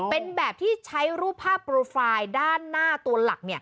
เป็นแบบที่ใช้รูปภาพโปรไฟล์ด้านหน้าตัวหลัก